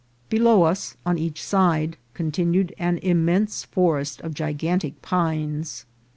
Below us, on each side, continued an immense forest of gigantic pines.